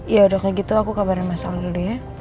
ya udah kayak gitu aku kabarin masang dulu ya